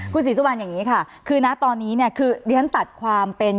คุณศรีสุวรรณอย่างนี้ค่ะคือนะตอนนี้เนี่ยคือดิฉันตัดความเป็น